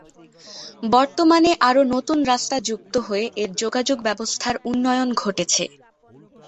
বর্তমানে আরো নতুন রাস্তা যুক্ত হয়ে এর যোগাযোগ ব্যবস্থার উন্নয়ন ঘটছে।